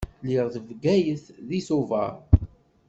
Lliɣ deg Bgayet deg Tubeṛ.